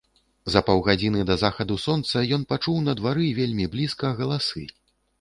За паўгадзіны да захаду сонца ён пачуў на двары вельмі блізка галасы.